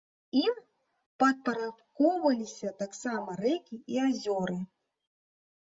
Ім падпарадкоўваліся таксама рэкі і азёры.